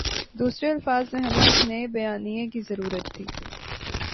دوسرے الفاظ میں ہمیں ایک نئے بیانیے کی ضرورت تھی۔